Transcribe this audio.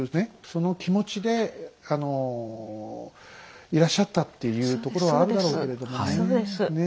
その気持ちでいらっしゃったっていうところはあるだろうけれどもね。